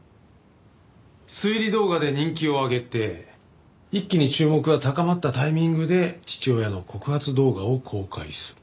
推理動画で人気を上げて一気に注目が高まったタイミングで父親の告発動画を公開する。